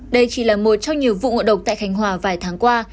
đây chỉ là một trong nhiều vụ ngộ độc tại khánh hòa vài tháng qua